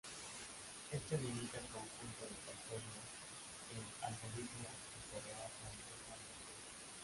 Esto limita el conjunto de contornos que el algoritmo recorrerá completamente.